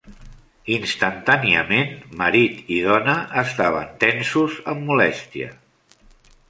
Instantàniament marit i dona estaven tensos amb molèstia.